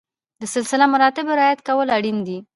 د سلسله مراتبو رعایت کول اړین دي.